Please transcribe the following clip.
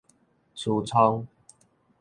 趨蹌